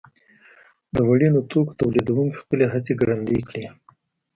د وړینو توکو تولیدوونکو خپلې هڅې ګړندۍ کړې.